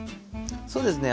そうですね